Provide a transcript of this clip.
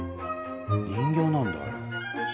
人形なんだあれ。